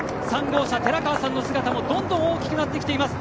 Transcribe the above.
３号車、寺川さんの姿もどんどん大きくなってきています。